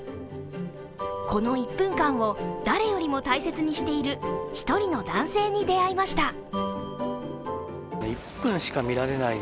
この１分間を誰よりも大切にしている１人の男性に出会いました。